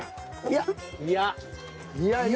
いや。